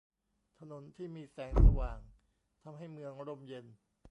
ถนนที่มีแสงสว่างทำให้เมืองร่มเย็น